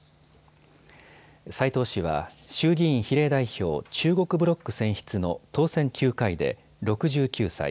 斉藤氏は衆議院比例代表中国ブロック選出の当選９回で６９歳。